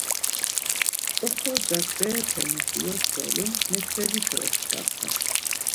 Oxorcak berepemuşi kyoselu, mektebişa oşkvasen.